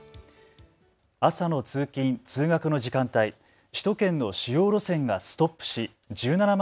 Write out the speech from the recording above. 朝の通勤通学の時間帯、首都圏の主要路線がストップし１７万